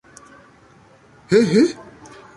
He, he!